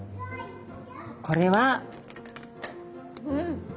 これは。